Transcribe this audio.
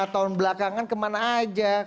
lima tahun belakangan kemana aja